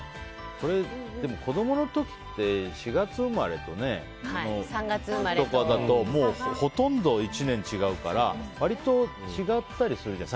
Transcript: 子供の時って４月生まれと３月生まれとかだとほとんど１年違うから割と違ったりするじゃない。